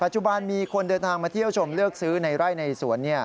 จุบันมีคนเดินทางมาเที่ยวชมเลือกซื้อในไร่ในสวน